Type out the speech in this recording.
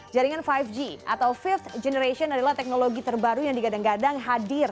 jaringan lima g atau field generation adalah teknologi terbaru yang digadang gadang hadir